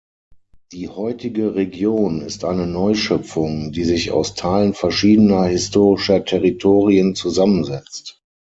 Die heutige Region ist eine Neuschöpfung, die sich aus Teilen verschiedener historischer Territorien zusammensetzt.